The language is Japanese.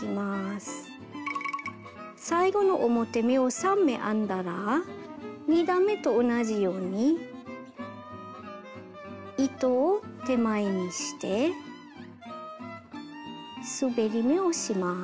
最後の表目を３目編んだら２段めと同じように糸を手前にしてすべり目をします。